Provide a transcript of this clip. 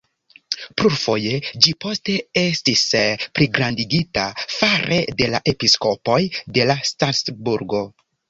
Plurfoje ĝi poste estis pligrandigita fare de la episkopoj de Strasburgo.